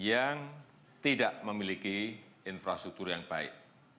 yang tidak memiliki infrastruktur yang baik